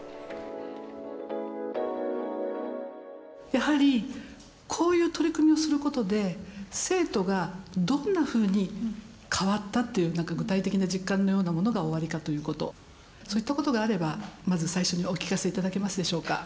やはりこういう取り組みをすることで生徒がどんなふうに変わったというなんか具体的な実感のようなものがおありかということそういったことがあればまず最初にお聞かせ頂けますでしょうか。